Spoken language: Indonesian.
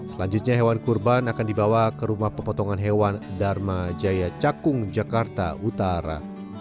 selanjutnya hewan kurban akan dibawa ke rumah pepotongan hewan dharma jaya cakung jakarta utara